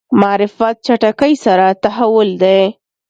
معرفت چټکۍ سره تحول دی.